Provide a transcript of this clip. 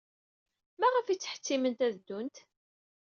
Maɣef ay ttḥettitent ad ddunt?